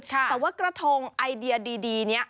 แต่ว่ากระทงไอเดียดีนี้